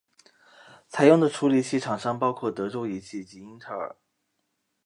采用的处理器厂商包括德州仪器及英特尔。